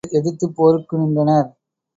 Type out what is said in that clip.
ஒருவரை ஒருவர் எதிர்த்துப் போருக்கு நின்றனர்.